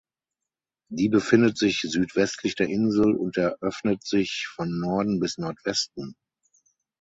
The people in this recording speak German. Die befindet südwestlich der Insel und der öffnet sich von Norden bis Nordwesten.